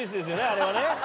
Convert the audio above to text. あれはね。